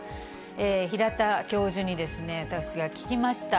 平田教授に私が聞きました。